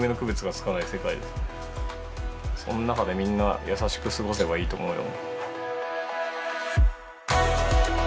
その中でみんな優しく過ごせばいいと思うよ。